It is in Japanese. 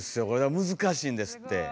これは難しいんですって。